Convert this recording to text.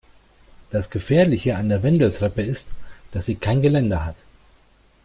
Das Gefährliche an der Wendeltreppe ist, dass sie kein Geländer hat.